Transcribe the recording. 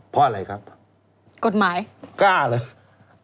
เพราะอะไรครับกฎหมายกล้าเหรอ